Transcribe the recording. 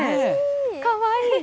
かわいい。